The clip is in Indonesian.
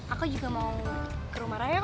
aku juga mau ke rumah raya